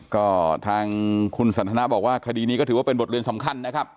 ก็ทางคุณสันทนาบอกว่าคดีนี้ก็ถือว่าเป็นบทเรียนสำคัญนะครับ